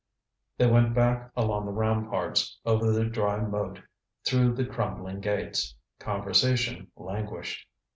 They went back along the ramparts, over the dry moat, through the crumbling gates. Conversation languished.